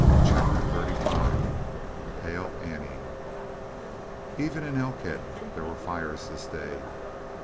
CHAPTER XXXV PALE ANNIE Even in Elkhead there were fires this day.